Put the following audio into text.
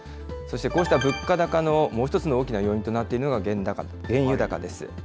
そしてこうした物価高のもう一つの大きな要因となっているのが、原油高です。